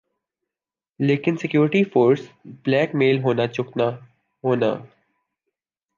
لیکن security force blackmail ہونا چکنا ہونا